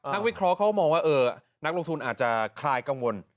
วิเคราะห์เขามองว่านักลงทุนอาจจะคลายกังวล